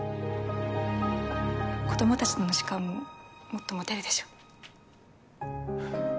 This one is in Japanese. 子供たちとの時間ももっと持てるでしょ？